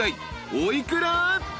［お幾ら？］